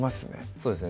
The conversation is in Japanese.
そうですね